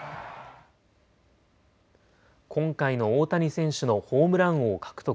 今回の大谷選手のホームラン王獲得。